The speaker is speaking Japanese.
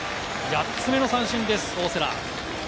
８つ目の三振です、大瀬良。